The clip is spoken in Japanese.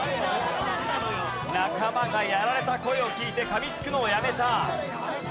仲間がやられた声を聞いて噛みつくのをやめた。